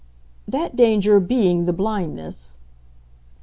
"That danger BEING the blindness